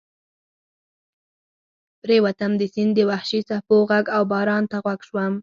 پرېوتم، د سیند د وحشي څپو غږ او باران ته غوږ شوم.